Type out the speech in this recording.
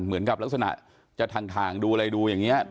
เหมือนกับลักษณะจะถ่างดูอะไรดูอย่างนี้